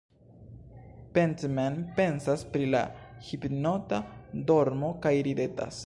Pentman pensas pri la hipnota dormo kaj ridetas.